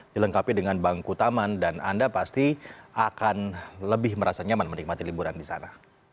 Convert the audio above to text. dilengkapi dengan bangku taman dan anda pasti akan lebih merasa nyaman menikmati liburan di sana